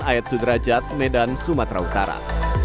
ayat sudrajat medan sumatera utara